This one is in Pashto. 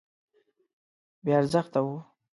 بې ارزښته وه.